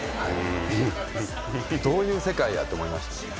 どういう世界やって思いました。